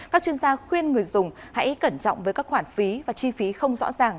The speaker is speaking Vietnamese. các chuyên gia khuyên người dùng hãy cẩn trọng với các khoản phí và chi phí không rõ ràng